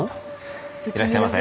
いらっしゃいませ。